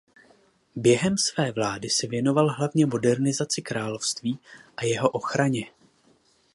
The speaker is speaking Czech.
Během své vlády se věnoval hlavně modernizaci království a jeho ochraně.